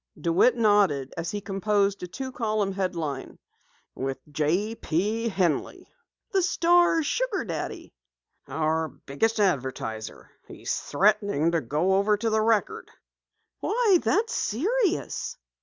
DeWitt nodded as he composed a two column headline. "With J. P. Henley." "The Star's Sugar Daddy?" "Our biggest advertiser. He's threatening to go over to the Record." "Why, that's serious!"